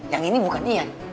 yang ini bukan ian